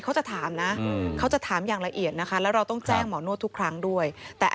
เขาจะถามนะเขาจะถามอย่างละเอียดนะคะแล้วเราต้องแจ้งหมอนวดทุกครั้งด้วยแต่